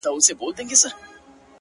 زما تصـور كي دي تصـوير ويده دی!!